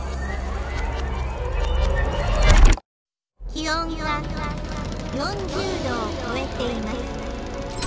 「気温が４０℃を超えています。